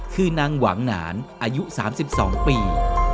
คือนางหวังหนานอายุ๓๒ปี